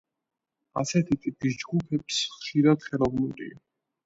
ასეთი ტიპის ჯგუფებს ხშირად ხელოვნურია.